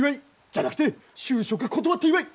じゃなくて就職断った祝い！